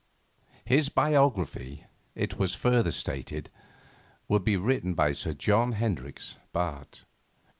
His biography, it was further stated, would be written by Sir John Hendricks, Bt.